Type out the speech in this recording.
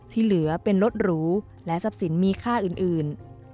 ที่เหลือเป็นรถหรูและทรัพย์สินมีค่าอื่น